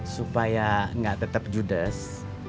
supaya gak tetep judes